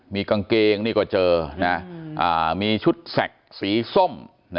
มีกางเกงนี่ก็เจอมีชุดแสกสีส้ม